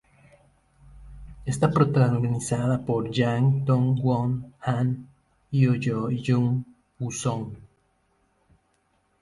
Está protagonizada por Gang Dong-won, Han Hyo-joo y Jung Woo-sung.